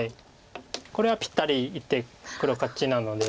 これはぴったり１手黒勝ちなので。